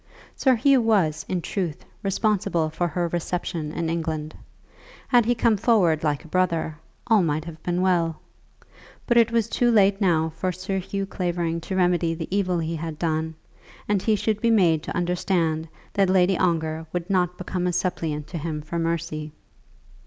Sir Hugh was, in truth, responsible for her reception in England. Had he come forward like a brother, all might have been well. But it was too late now for Sir Hugh Clavering to remedy the evil he had done, and he should be made to understand that Lady Ongar would not become a suppliant to him for mercy.